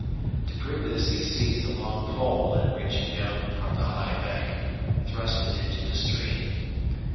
To prove this he seized a long pole and, reaching down from the high bank, thrust it into the stream.